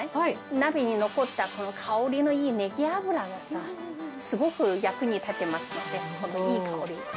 鍋に残ったこのいい香りのネギ油がさ、すごく役に立ってますので、いい香り。